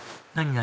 何？